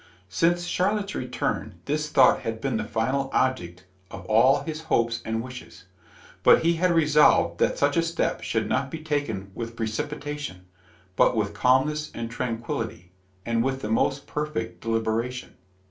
Since Charlotte's return, this thought had been the final object of all his hopes and wishes; but he had resolved that such a step should not be taken with precipitation, but with calmness and tranquillity, and with the most perfect deliberation.